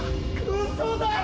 ウソだろ！